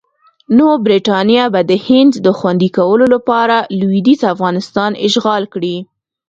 نو برټانیه به د هند د خوندي کولو لپاره لویدیځ افغانستان اشغال کړي.